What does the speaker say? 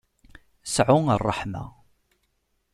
Sɛu ṛṛeḥma.